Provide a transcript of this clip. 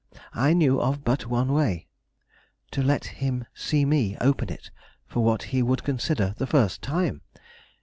I knew of but one way; to let him see me open it for what he would consider the first time.